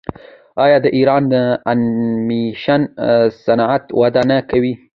آیا د ایران انیمیشن صنعت وده نه کوي؟